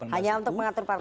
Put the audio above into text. hanya untuk mengatur partai